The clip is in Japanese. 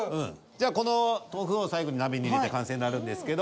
じゃこの豆腐を最後に鍋に入れて完成になるんですけど。